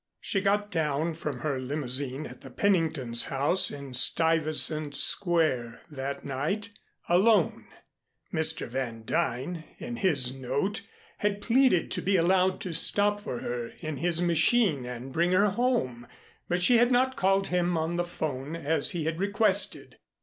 She got down from her limousine at the Pennington's house in Stuyvesant Square that night alone. Mr. Van Duyn, in his note, had pleaded to be allowed to stop for her in his machine and bring her home, but she had not called him on the 'phone as he had requested.